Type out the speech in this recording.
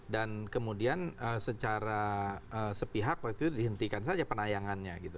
dan kemudian secara sepihak waktu itu dihentikan saja penayangannya